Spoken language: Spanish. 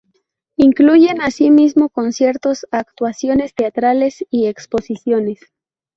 Incluyen asimismo conciertos, actuaciones teatrales y exposiciones.